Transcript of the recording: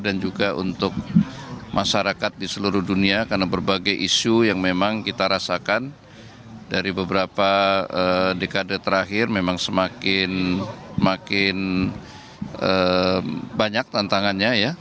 dan juga untuk masyarakat di seluruh dunia karena berbagai isu yang memang kita rasakan dari beberapa dekade terakhir memang semakin banyak tantangannya ya